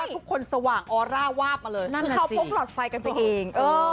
ทุกคนสว่างออร่าวาบมาเลยนั่นคือเขาพกหลอดไฟกันไปเอง